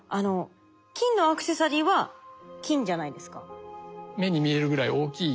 金のアクセサリーは金じゃないですか。